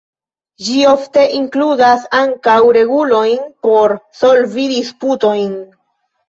Ĝi ofte inkludas ankaŭ regulojn por solvi disputojn.